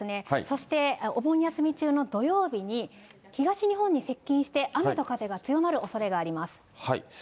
そして、お盆休み中の土曜日に、東日本に接近して、雨と風が強まるおそれがあります。